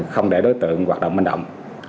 không để đối tượng hoạt động bận động